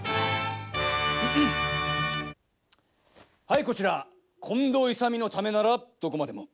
はいこちら近藤勇のためならどこまでも。